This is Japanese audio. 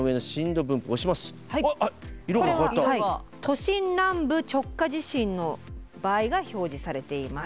都心南部直下地震の場合が表示されています。